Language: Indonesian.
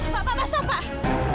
pak pak pasti pak